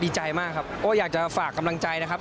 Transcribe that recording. ดีใจมากครับก็อยากจะฝากกำลังใจนะครับ